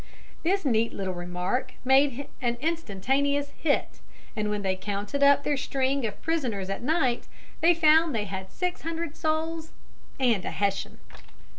This neat little remark made an instantaneous hit, and when they counted up their string of prisoners at night they found they had six hundred souls and a Hessian.